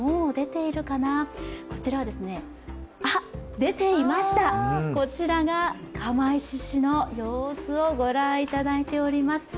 出ていました、こちらが釜石市の様子をご覧いただいております。